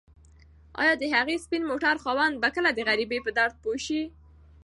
ایا د هغه سپین موټر خاوند به کله د غریبۍ په درد پوه شي؟